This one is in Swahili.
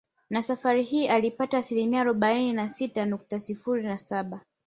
Na safari hii alipata asilimia arobaini na sita nukta sifuri saba